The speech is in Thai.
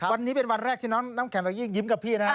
วันนี้เป็นวันแรกที่น้องน้ำแข็งเรายิ่งยิ้มกับพี่นะ